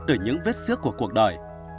từ những vết xước của cuộc đời